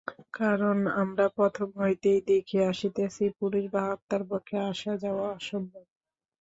কারণ আমরা প্রথম হইতেই দেখিয়া আসিতেছি, পুরুষ বা আত্মার পক্ষে আসা-যাওয়া অসম্ভব।